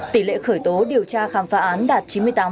tỷ lệ khởi tố điều tra khám phá án đạt chín mươi tám